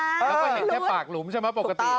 แล้วก็เห็นแค่ปากหลุมใช่ไหมปกติ